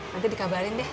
nanti dikabarin deh